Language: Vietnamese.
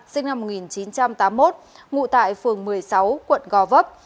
sinh năm một nghìn chín trăm tám mươi một ngụ tại phường một mươi sáu quận gò vấp